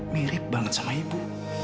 mirip banget sama ibu